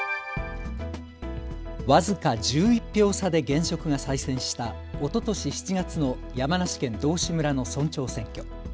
僅か１１票差で現職が再選したおととし７月の山梨県道志村の村長選挙。